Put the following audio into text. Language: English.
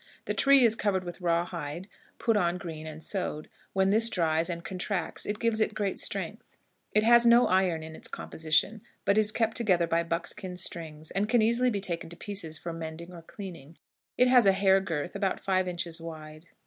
The tree is covered with raw hide, put on green, and sewed; when this dries and contracts it gives it great strength. It has no iron in its composition, but is kept together by buckskin strings, and can easily be taken to pieces for mending or cleaning. It has a hair girth about five inches wide.